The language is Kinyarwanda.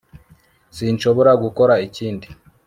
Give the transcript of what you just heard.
sinshobora gukora ikindi